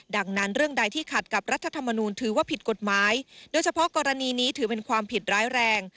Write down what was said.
ดังนั้นเรื่องใดที่ขัดกับรัฐธรรมนูลถือว่าผิดกฎหมายโดยเฉพาะกรณีนี้ถือเป็นความผิดร้ายแรง